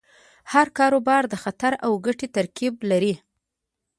هر کاروبار د خطر او ګټې ترکیب لري.